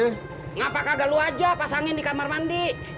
kenapa kagak lo aja pasangin di kamar mandi